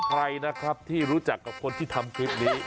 ใครนะครับที่รู้จักกับคนที่ทำคลิปนี้